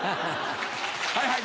はいはい！